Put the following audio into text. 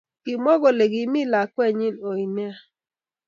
kimwa kole kimii lakwenyin ooi neya